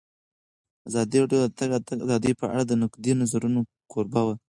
ازادي راډیو د د تګ راتګ ازادي په اړه د نقدي نظرونو کوربه وه.